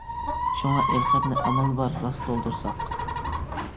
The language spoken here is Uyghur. شۇڭ ئېلخەتنى ئامال بار راست تولدۇرساق.